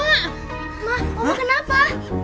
mak oma kenapa